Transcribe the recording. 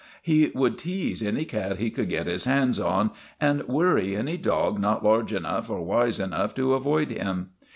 He would tease any cat he could get his hands on and worry any dog not large enough or wise enough to avoid him.